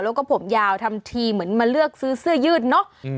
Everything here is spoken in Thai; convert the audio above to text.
แล้วก็ผมยาวทำทีเหมือนมาเลือกซื้อเสื้อยืดเนาะ